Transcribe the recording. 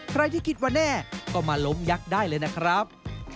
ใครที่คิดว่าแน่ก็มาล้มยักษ์ได้เลยนะครับ